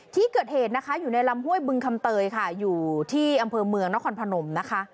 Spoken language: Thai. ที่เกิดเหตุนะคะอยู่ในลำห้วยบึงคำเตยค่ะอยู่ที่อำเภอเมืองนครพนมนะคะ